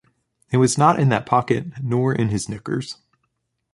It was not in that pocket, nor in his knickers.